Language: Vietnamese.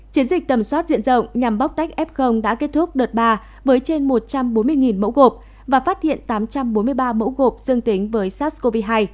chiến dịch tầm soát diện rộng nhằm bóc tách f đã kết thúc đợt ba với trên một trăm bốn mươi mẫu gộp và phát hiện tám trăm bốn mươi ba mẫu gộp dương tính với sars cov hai